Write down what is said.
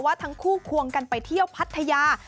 ว่าทั้งคู่ควงกันไปเที่ยวพัทยา